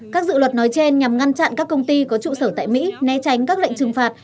các dự luật nói trên nhằm ngăn chặn các công ty có trụ sở tại mỹ né tránh các lệnh trừng phạt